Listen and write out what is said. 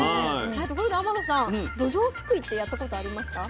ところで天野さんどじょうすくいってやったことありますか？